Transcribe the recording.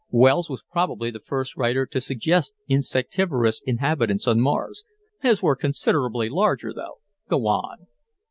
"Wells was probably the first writer to suggest insectivorous inhabitants on Mars; his were considerably larger, though." "Go on."